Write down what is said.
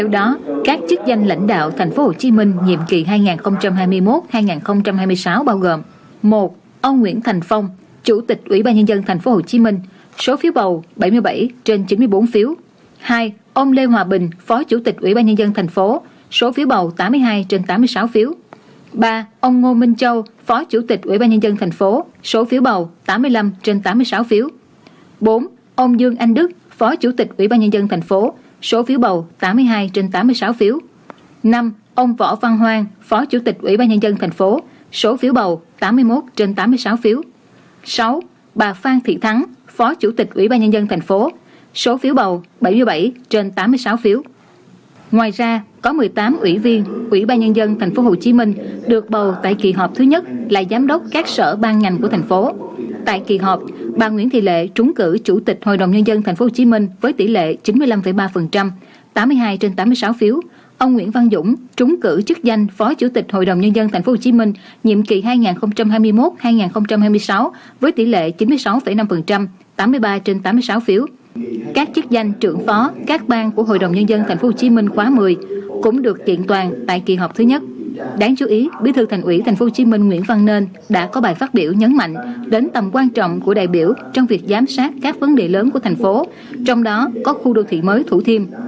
đáng chú ý bí thư thành ủy tp hcm nguyễn văn nên đã có bài phát biểu nhấn mạnh đến tầm quan trọng của đại biểu trong việc giám sát các vấn đề lớn của thành phố trong đó có khu đô thị mới thủ thiêm